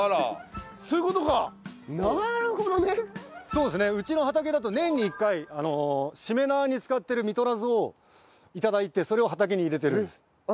そうですねうちの畑だと年に１回しめ縄に使ってる実取らずを頂いてそれを畑に入れてるんです。